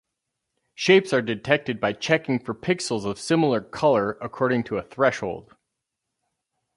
Shapes are detected by checking for pixels of similar color according to a threshold.